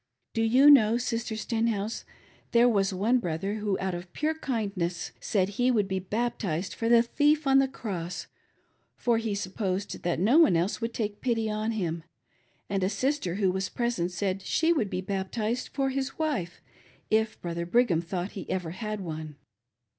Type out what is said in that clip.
Do you know, Sister Stenhouse, there was one brother who out of pure kindness said he would be baptized for the thief on the cross, for he supposed that no one else would take pity on him, and a sister who was present said she would be bap tized for his wife, if Brother Brigham thought he ever had one.